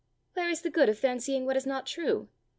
"Where is the good of fancying what is not true?